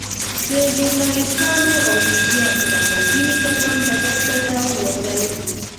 د ژورناليستانو او ميډيا په نامه ځينې کسان ډګر ته راووتل.